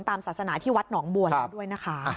ตามศาสนาที่วัดหนองบัวแล้วด้วยนะคะ